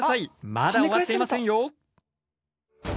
まだ終わっていませんよ！